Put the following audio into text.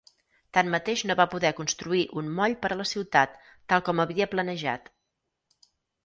Tanmateix no va poder construir un moll per a la ciutat, tal com havia planejat.